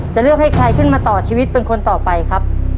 จะเลือกให้ใครขึ้นมาต่อชีวิตเป็นคนต่อไปครับ